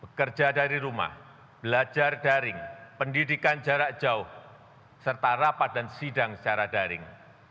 bekerja dari rumah belajar daring pendidikan jarak jauh serta rapat dan sidang secara daring